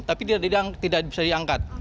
tapi tidak bisa diangkat